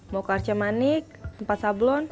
mau ke arcamani tempat sablon